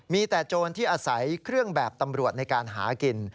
มีแต่โจรที่อาศัยเครื่องแบบตำรวจในการหากิน